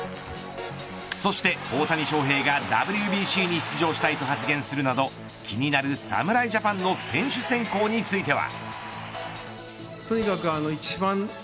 そして、大谷翔平がＷＢＣに出場したいと発言するなど気になる侍ジャパンの選手選考については。